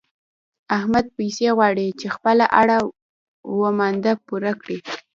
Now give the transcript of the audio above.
احمد پيسې غواړي چې خپله اړه و مانده پوره کړي.